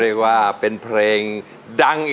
อินโทรยกที่สองของคุณซิมมาเลยครับ